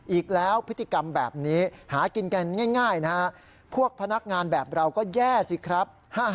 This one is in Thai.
อีกแล้วพฤติกรรมแบบนี้หากินกันง่ายนะฮะพวกพนักงานแบบเราก็แย่สิครับ